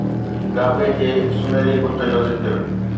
گابي جي سونهري بت جو ذڪر